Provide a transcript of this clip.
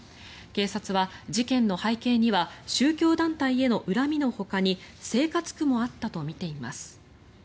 警察は事件の背景には宗教団体への恨みのほかに生活苦もあったとみています。